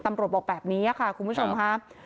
ตำรวจบอกแบบนี้ค่ะคุณผู้ชมค่ะ